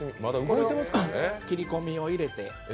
これを切り込みを入れて。